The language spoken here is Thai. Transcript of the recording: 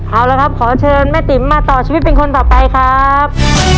เอาละครับขอเชิญแม่ติ๋มมาต่อชีวิตเป็นคนต่อไปครับ